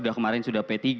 dan kemarin sudah p tiga